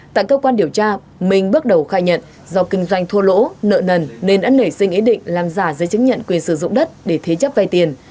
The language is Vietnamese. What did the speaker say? tại cơ quan điều tra minh bước đầu khai nhận do kinh doanh thua lỗ nợ nần nên đã nảy sinh ý định làm giả giấy chứng nhận quyền sử dụng đất để thế chấp vay tiền